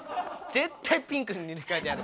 絶対ピンクに塗り替えてやる。